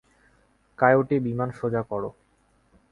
Coyote, বিমান সোজা করো।